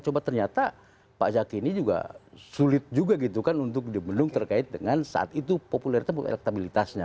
coba ternyata pak zaki ini juga sulit juga gitu kan untuk dibendung terkait dengan saat itu popularitas elektabilitasnya